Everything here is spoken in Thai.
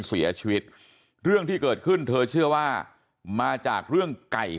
เสียชีวิตเรื่องที่เกิดขึ้นเธอเชื่อว่ามาจากเรื่องไก่